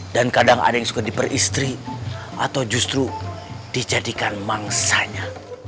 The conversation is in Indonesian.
dan kadang ada yang suka diperistri atau justru dijadikan mangsanya